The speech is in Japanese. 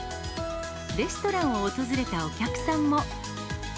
レストランを訪れたお客さんも。